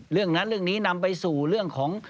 เรื่องนั้นเรื่องนี้นำไปสู่เรื่องของ